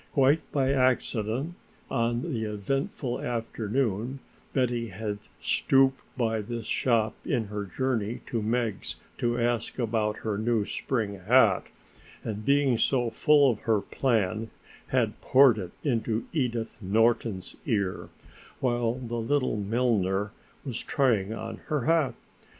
Quite by accident on the eventful afternoon Betty had stooped by this shop in her journey to Meg's to ask about her new spring hat, and being so full of her plan had poured it into Edith Norton's ear, while the little milliner was trying on her hat.